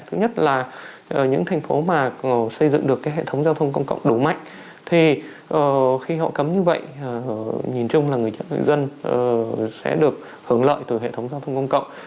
thứ nhất là những thành phố mà xây dựng được hệ thống giao thông công cộng đủ mạnh thì khi họ cấm như vậy nhìn chung là người dân sẽ được hưởng lợi từ hệ thống giao thông công cộng